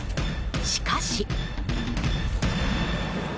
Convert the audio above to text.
しかし。